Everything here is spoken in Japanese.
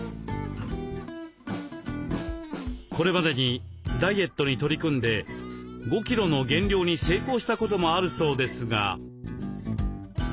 これまでにダイエットに取り組んで５キロの減量に成功したこともあるそうですが。